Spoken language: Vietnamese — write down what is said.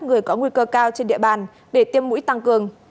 người có nguy cơ cao trên địa bàn để tiêm mũi tăng cường